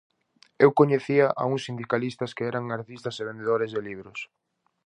Eu coñecía a uns sindicalistas que eran artistas e vendedores de libros.